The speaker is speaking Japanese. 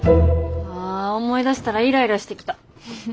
ああ思い出したらイライラしてきた。